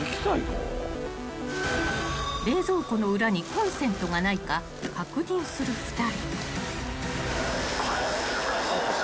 ［冷蔵庫の裏にコンセントがないか確認する２人］